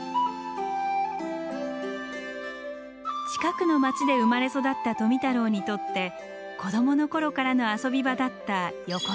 近くの町で生まれ育った富太郎にとって子どもの頃からの遊び場だった横倉山。